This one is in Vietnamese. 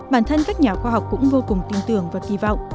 bản thân các nhà khoa học cũng vô cùng tin tưởng và kỳ vọng